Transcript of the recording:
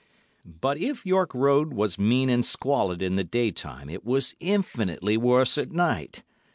But if York Road was mean and squalid in the day time, it was infinitely worse at night.